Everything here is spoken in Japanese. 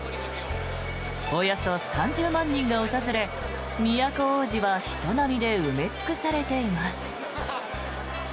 およそ３０万人が訪れ、都大路は人波で埋め尽くされています。